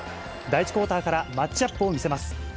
第１クオーターからマッチアップを見せます。